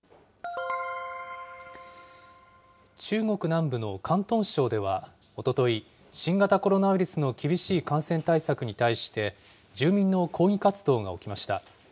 中国南部の広東省ではおととい、新型コロナウイルスの厳しい感染対策に対して住民の抗議活動が起きました。